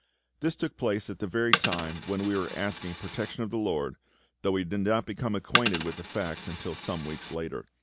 This took place at the very time when we were asking protection of the LORD, though we did not become acquainted with the facts until some weeks later.